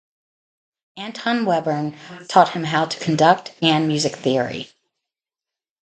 Anton Webern taught him how to conduct and music theory.